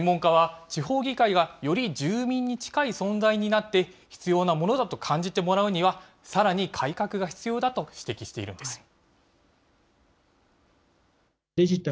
専門家は、地方議会がより住民に近い存在になって、必要なものだと感じてもらうには、さらに改革が必要だと指摘しているんです。